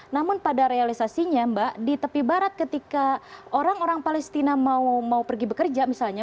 namun pada realisasinya mbak di tepi barat ketika orang orang palestina mau pergi bekerja misalnya